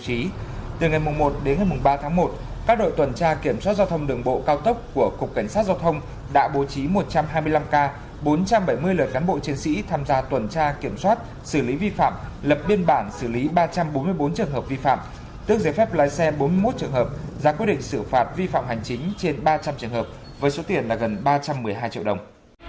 hôm ba tháng một các đội tuần tra kiểm soát giao thông đường bộ cao tốc của cục cảnh sát giao thông đã bố trí một trăm hai mươi năm ca bốn trăm bảy mươi lợi cán bộ chiến sĩ tham gia tuần tra kiểm soát xử lý vi phạm lập biên bản xử lý ba trăm bốn mươi bốn trường hợp vi phạm tức giấy phép lái xe bốn mươi một trường hợp ra quyết định xử phạt vi phạm hành chính trên ba trăm linh trường hợp với số tiền gần ba trăm một mươi hai triệu đồng